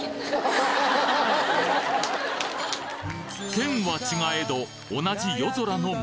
県は違えど同じ夜空の下